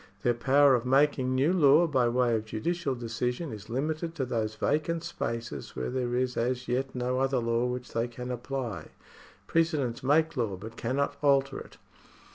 Their power of making new law by way of judicial decision is limited to those vacant spaces where there is as yet no other law which they can apply. Precedents make law, but cannot alter it.